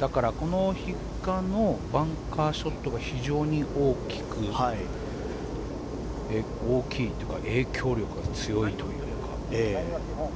だからこの比嘉のバンカーショットが非常に大きいというか影響力が強いというか。